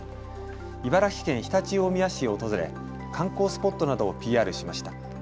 茨城県常陸大宮市を訪れ観光スポットなどをＰＲしました。